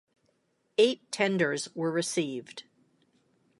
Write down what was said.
Eight tenders were received.